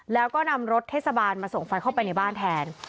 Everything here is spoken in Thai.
แล้วก็นำรถเทศบาลมาส่งไฟเข้าไปในบ้านแทน